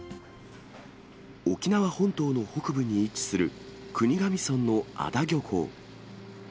沖縄本島の北部に位置する国頭村の安田漁港。